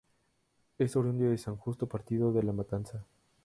Es oriundo de San Justo, partido de La Matanza.